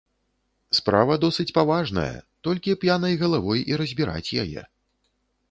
Справа досыць паважная, толькі п'янай галавой і разбіраць яе.